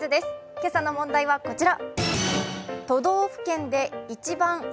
今朝の問題はこちら。